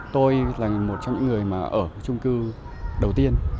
tôi là một trong những người mà ở trung cư đầu tiên